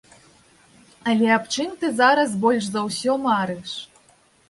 Але аб чым ты зараз больш за ўсё марыш?